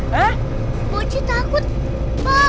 boci takut pa